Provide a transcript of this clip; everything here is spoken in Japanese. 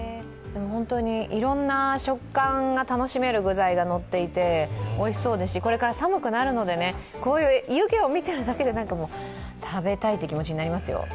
いろんな食感が楽しめる具材がのっていておいしそうですしこれから寒くなるので、こういう湯気を見ているだけで食べたいっていう気持ちになりますよ。